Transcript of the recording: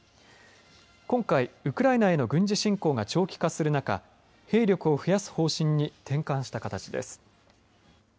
今回、ウクライナへの軍事進攻が長期化する中兵力を増やす方針に転換した形です。